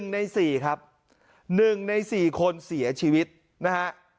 ๑ใน๔ครับ๑ใน๔คนเสียชีวิตนะฮะ